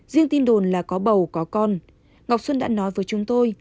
riêng tin đồn là có bầu có con ngọc xuân đã nói với chúng tôi